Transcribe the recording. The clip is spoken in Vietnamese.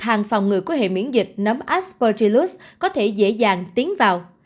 hàng phòng người của hệ miễn dịch nấm aspergillus có thể dễ dàng tiến vào